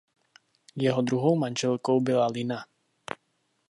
Jeho druhou manželkou byla Lina.